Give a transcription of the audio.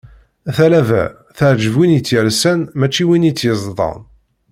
Talaba, teɛǧeb win i tt-yersan mačči d win i tt-yeẓḍan.